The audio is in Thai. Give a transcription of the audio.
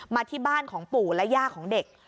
มาที่บ้านของปู่และย่าของเด็ก